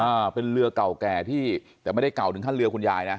อ่าเป็นเรือเก่าแก่ที่แต่ไม่ได้เก่าถึงขั้นเรือคุณยายนะ